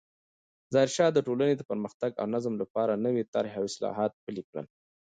ظاهرشاه د ټولنې د پرمختګ او نظم لپاره نوې طرحې او اصلاحات پلې کړل.